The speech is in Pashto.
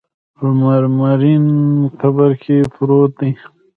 په مرمرین قبر کې پروت دی.